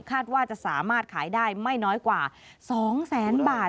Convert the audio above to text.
คาดว่าจะสามารถขายได้ไม่น้อยกว่า๒แสนบาท